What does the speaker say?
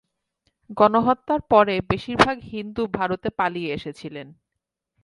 গণহত্যার পরে বেশিরভাগ হিন্দু ভারতে পালিয়ে এসেছিলেন।